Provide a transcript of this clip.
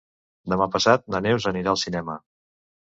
Demà passat na Neus anirà al cinema.